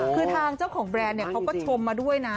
คือทางเจ้าของแบรนด์เขาก็ชมมาด้วยนะ